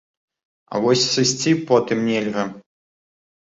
А вось сысці потым нельга.